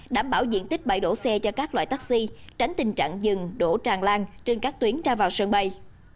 đảm bảo diện tích bãi đổ xe cho các loại taxi tránh tình trạng dừng đổ tràn lan trên các tuyến ra vào sân bay